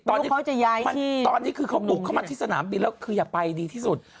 ตอนนี้คือเขาบุกเข้ามาที่สนามบินแล้วคืออย่าไปดีที่สุด